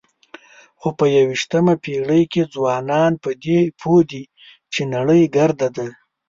خو په یوویشتمه پېړۍ کې ځوانان په دې پوه دي چې نړۍ ګرده ده.